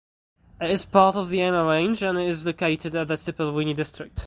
It is part of the Emma Range and is located in the Sipaliwini District.